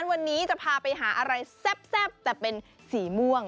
วันนี้จะพาไปหาอะไรแซ่บแต่เป็นสีม่วง